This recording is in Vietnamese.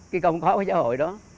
cái công khó của giáo hội đó